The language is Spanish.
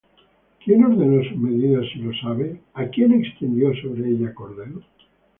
¿Quién ordenó sus medidas, si lo sabes? ¿O quién extendió sobre ella cordel?